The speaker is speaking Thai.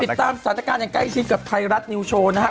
ติดตามสถานการณ์อย่างใกล้ชิดกับไทยรัฐนิวโชว์นะฮะ